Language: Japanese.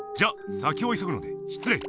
先をいそぐので失礼。